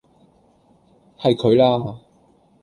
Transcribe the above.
係佢啦!